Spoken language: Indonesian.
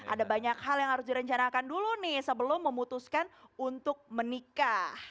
ada banyak hal yang harus direncanakan dulu nih sebelum memutuskan untuk menikah